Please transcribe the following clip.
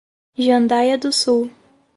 Jandaia do Sul